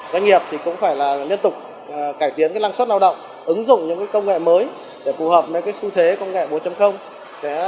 doanh nghiệp cũng phải liên tục cải tiến lăng suất lao động ứng dụng những công nghệ mới để phù hợp với xu thế công nghệ bốn